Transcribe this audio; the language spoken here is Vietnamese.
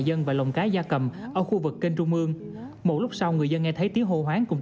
dân và lồng cá da cầm ở khu vực kênh trung mương một lúc sau người dân nghe thấy tiếng hồ hoáng cùng